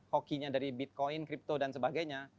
hokinya dari bitcoin kripto dan sebagainya